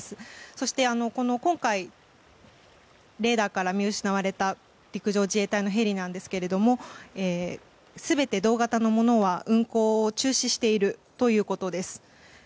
そして今回レーダーから見失われた陸上自衛隊のヘリなんですけれども全て、同型のものは運航を中止しているということです。